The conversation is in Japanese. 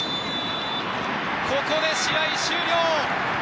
ここで試合終了。